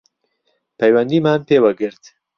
پەیوەندیمان پێوە گرت